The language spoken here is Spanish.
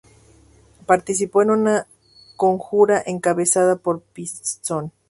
Participó en una conjura encabezada por Pisón.